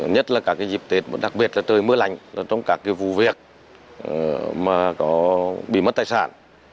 nhất là các dịp tết đặc biệt là trời mưa lạnh trong các vụ việc có bị mất tài sản